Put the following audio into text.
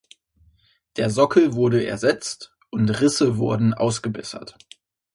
Der Sockel wurde ersetzt und Risse wurden ausgebessert.